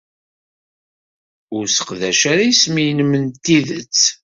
Ur sseqdac ara isem-nnem n tidet.